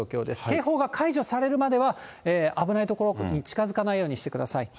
警報が解除されるまでは、危ない所に近づかないようにしてください。